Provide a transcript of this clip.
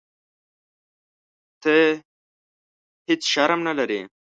ته هیح شرم نه لرې.